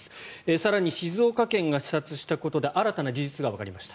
更に静岡県が視察したことで新たな事実がわかりました。